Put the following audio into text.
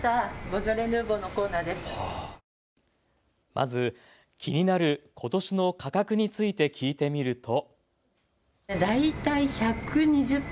まず気になることしの価格について聞いてみると。